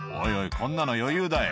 こんなの余裕だよ」